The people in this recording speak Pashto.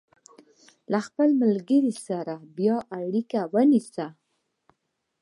له خپلې ملګرې سره به بیا اړیکه ونیسي.